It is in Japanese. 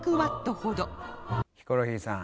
ヒコロヒーさん。